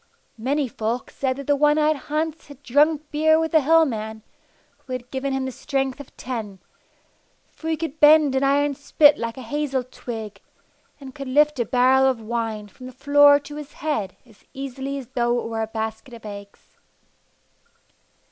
Many folk said that the one eyed Hans had drunk beer with the Hill man, who had given him the strength of ten, for he could bend an iron spit like a hazel twig, and could lift a barrel of wine from the floor to his head as easily as though it were a basket of eggs.